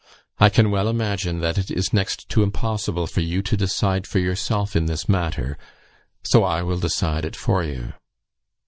I can well imagine, that it is next to impossible for you to decide for yourself in this matter, so I will decide it for you.